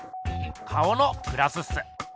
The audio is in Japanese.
顔のグラスっす。